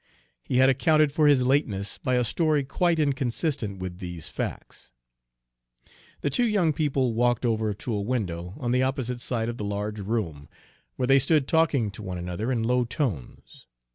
He had accounted for his lateness by a story quite inconsistent with these facts. The two young people walked over to a window on the opposite side of the large room, where they stood talking to one another in low tones.